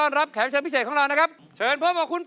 มันจะไม่สนใจนู่น